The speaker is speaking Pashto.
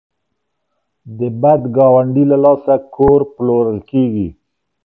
د بد ګاونډي له لاسه کور پلورل کیږي.